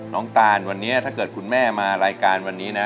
ตานวันนี้ถ้าเกิดคุณแม่มารายการวันนี้นะ